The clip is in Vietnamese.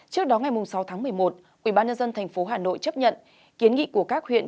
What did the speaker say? trước đó ngày sáu tháng một mươi một ubnd tp hà nội chấp nhận kiến nghị của các huyện